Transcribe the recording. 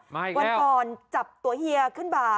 มาอีกแล้ววันก่อนจับตัวเฮียขึ้นบ้า